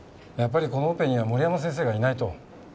やっぱりこのオペには森山先生がいないと。